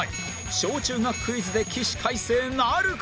小・中学クイズで起死回生なるか？